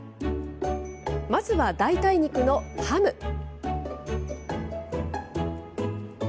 まずは代替肉のハム。